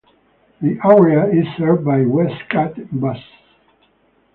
The area is served by WestCat buses.